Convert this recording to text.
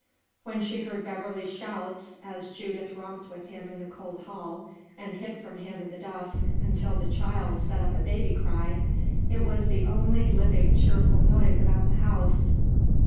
When she heard Beverley's shouts, as Judith romped with him in the cold hall, and hid from him in the dusk until the child set up a baby cry, it was the only living cheerful noise about the house.